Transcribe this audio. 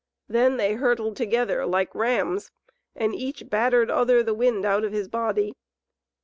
Then they hurtled together like rams and each battered other the wind out of his body.